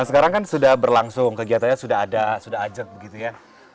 sekarang kan sudah berlangsung kegiatannya sudah ada sudah ajak begitu ya